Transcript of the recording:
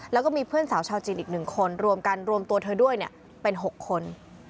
แล้วก็มีเพื่อนสาวชาวจีนอีก๑คนรวมกันรวมตัวเธอด้วยเป็น๖คน